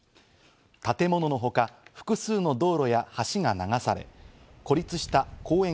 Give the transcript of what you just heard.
建物のほか、複数の道路や橋が流され、孤立した公園